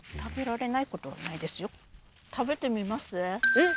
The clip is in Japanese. えっ？